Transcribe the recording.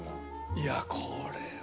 いやこれは。